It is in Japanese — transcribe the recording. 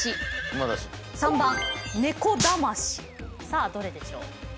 さあどれでしょう？